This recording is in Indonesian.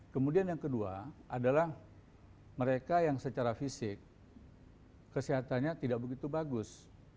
kemudian yang kedua adalah mereka yang secara fisik kesehatannya tidak begitu bagus